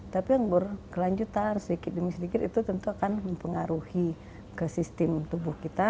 tapi yang berkelanjutan sedikit demi sedikit itu tentu akan mempengaruhi ke sistem tubuh kita